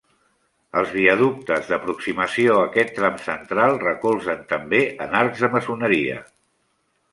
Els viaductes d'aproximació a aquest tram central recolzen també en arcs de maçoneria.